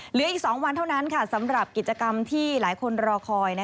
เหลืออีก๒วันเท่านั้นสำหรับกิจกรรมที่หลายคนรอคอย